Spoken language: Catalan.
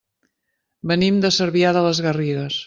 Venim de Cervià de les Garrigues.